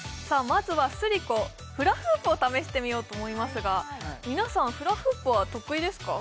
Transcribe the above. まずはスリコフラフープを試してみようと思いますが皆さんフラフープは得意ですか？